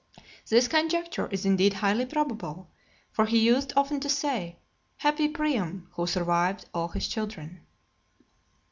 This conjecture is indeed highly probable; for he used often to say, "Happy Priam, who survived all his children!"